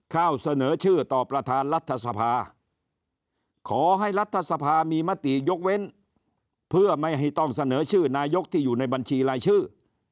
เข้าเสนอชื่อต่อประธานรัฐสภาขอให้รัฐสภามีมติยกเว้นเพื่อไม่ให้ต้องเสนอชื่อนายกที่อยู่ในบัญชีรายชื่อ